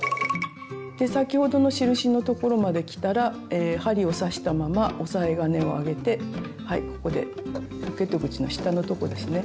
で先ほどの印のところまできたら針を刺したまま押さえ金を上げてはいここでポケット口の下のとこですね。